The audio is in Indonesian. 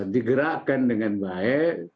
digerakkan dengan baik